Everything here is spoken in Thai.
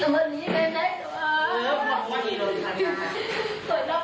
ก็ลืมหน้าคอนไห้นะค